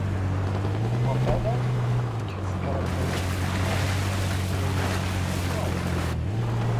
Papeda, which has characteristic lemon-scented foliage and flowers.